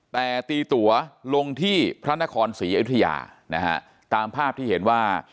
แต่ตีตัวลงที่พระนครศรีอยุธยานะฮะตามภาพที่เห็นว่า